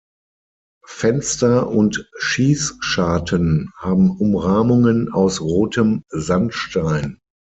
Fenster und Schießscharten haben Umrahmungen aus rotem Sandstein.